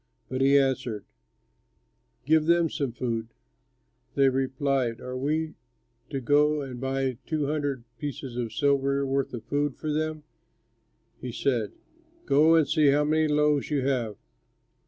But he answered "Give them some food." They replied, "Are we to go and buy two hundred silver pieces' worth of food for them?" He said, "Go and see how many loaves you have."